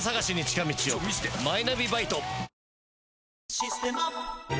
「システマ」